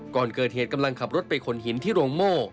ก่อนเกิดเหตุกำลังขับรถไปขนหินที่โรงโม่